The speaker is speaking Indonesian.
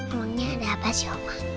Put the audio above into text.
emangnya ada apa sih oma